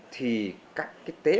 thì các tế bệnh của bạn ấy